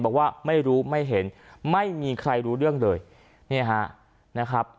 บอกว่าไม่รู้ไม่เห็นไม่มีใครรู้เรื่องเลยเนี่ยฮะนะครับ